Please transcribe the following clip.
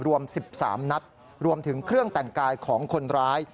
รวม๑๓นัดรวมถึงเครื่องแต่งกายของคนร้าย